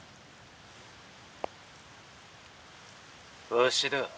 「わしだ。